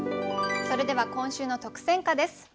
それでは今週の特選歌です。